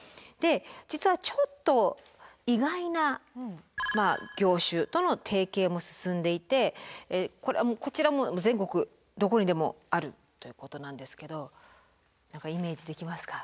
実はちょっと意外な業種との提携も進んでいてこちらも全国どこにでもあるということなんですけど何かイメージできますか？